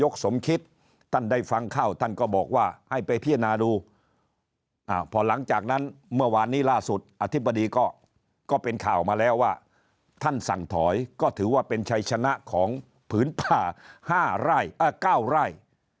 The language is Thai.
ก็เป็นข่าวมาแล้วว่าท่านสั่งถอยก็ถือว่าเป็นชัยชนะของผืนป่า๙ไร่